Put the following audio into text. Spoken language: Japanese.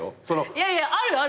いやいやあるある。